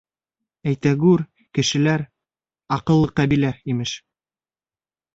Әйтәгүр, кешеләр — аҡыллы ҡәбилә, имеш.